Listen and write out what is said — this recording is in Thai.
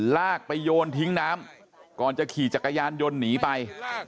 ลากไปโยนทิ้งน้ำก่อนจะขี่จักรยานยนต์หนีไป